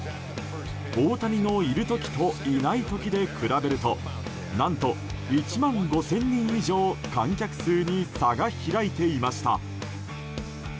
大谷といる時といない時で比べると何と、１万５０００人以上観客数に差が開いていました。